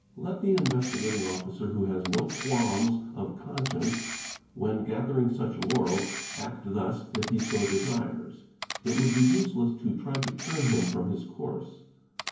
_ Let the Investigating Officer who has no qualms of conscience when gathering such laurels, act thus if he so desires. It would be useless to ry to turn him from his course.